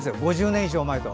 ５０年以上前と。